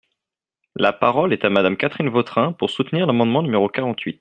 La parole est à Madame Catherine Vautrin, pour soutenir l’amendement numéro quarante-huit.